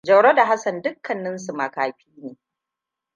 Jauro da Hassan dukkaninsu makafi ne.